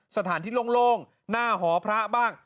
สถานที่โล่งหน้าหอพระบ้าง